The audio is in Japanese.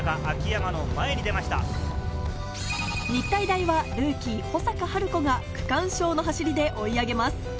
日体大はルーキー・保坂晴子が区間賞の走りで追い上げます。